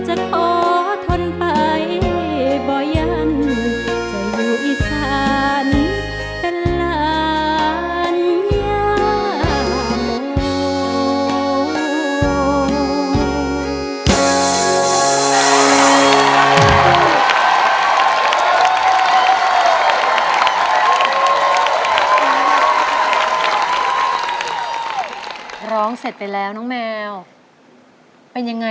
จะทอทนไปบ่อยยัน